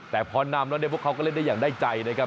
แต่พอนำแล้วเนี่ยพวกเขาก็เล่นได้อย่างได้ใจนะครับ